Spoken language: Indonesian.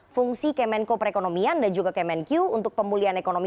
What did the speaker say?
fungsi kemenko perekonomian dan juga kemenkyu untuk pemulihan ekonomi